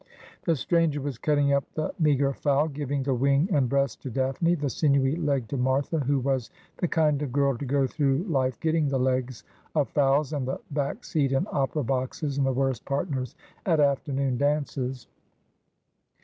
The stranger was cutting up the meagre fowl, giving the wing and breast to Daphne, the sinewy leg to Martha, who was the kind of girl to go through life getting the legs of fowls and the back seat in opera boxes, and the worst partners at afternoon dances.